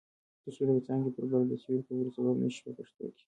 ترڅو د یوې څانګې پر بله د سیوري کولو سبب نشي په پښتو کې.